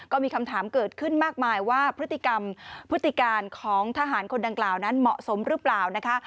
ก็มีคำถามเกิดขึ้นมากมายว่าพฤติกรรมพฤติการของทหารคนดังกล่าวนั้นเหมาะสมหรือเปล่านะคะ